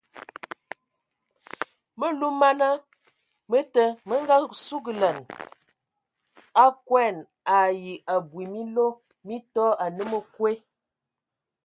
Məluməna mə te mə ngasugəlan a koɛn ai abɔ minlo mi tɔ anə məkwe.